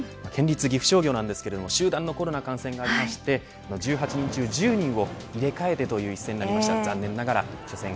県立岐阜商業は集団のコロナ感染がありまして１８人中１０人を入れ替えてという一戦になりました。